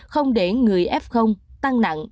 không để người f tăng nặng